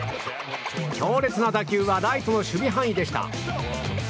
強烈な打球はライトの守備範囲でした。